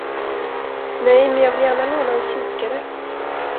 Nej, men jag vill gärna låna en kikare.